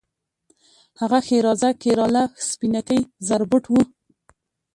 ښه ښېرازه کیراله، سپینکۍ زربټ و